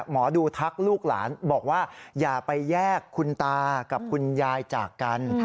หมอดูทักลูกหลานบอกว่าอย่าไปแยกคุณตากับคุณยายจากกัน